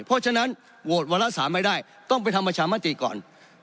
เพราะฉะนั้นโหวตวาระ๓ไม่ได้ต้องไปทำประชามติก่อน